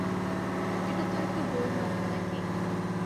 এটা তো একটা বই মাত্র, নাকি!